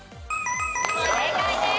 正解です。